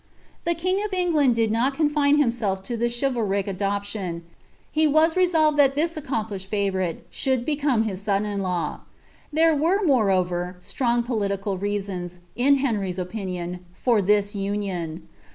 The king of England did not coullne himself lo this chivalric adof^ tion; he was resolved that his accomplished favourile should becodw liis son 4n law. There were, moreover, strong political reajoits, ia Henry's opinion, for this union.